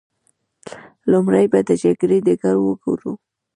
لومړی به د جګړې ډګر وګورو.